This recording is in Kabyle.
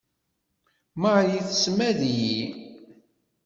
Marie tessmad-iyi.